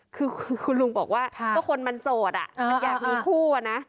คือคุณลุงบอกว่าก็คนมันโสดมันอยากมีคู่อะนะ